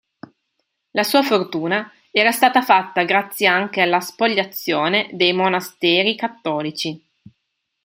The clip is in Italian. La sua fortuna era stata fatta grazie anche alla spoliazione dei monasteri cattolici.